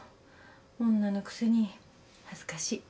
女のくせに恥ずかしい。